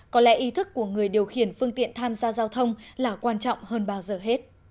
có lẽ ý thức của người điều khiển phương tiện tham gia giao thông là quan trọng hơn bao giờ hết